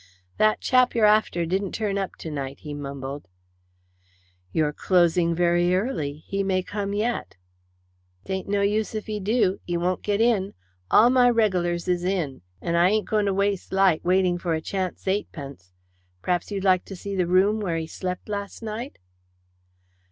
"That chap you're after didn't turn up to night," he mumbled. "You're closing very early. He may come yet." "Tain't no use if 'e do. 'E won't get in. All my reg'lars is in, and I ain't going to waste light waiting for a chance eightpence. P'r'aps you'd like to see the room where he slep' last night?"